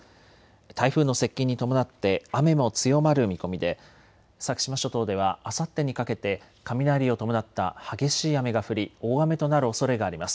台風の接近に伴って雨も強まる見込みで先島諸島ではあさってにかけて雷を伴った激しい雨が降り大雨となるおそれがあります。